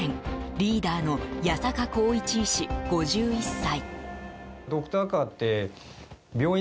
リーダーの八坂剛一医師、５１歳。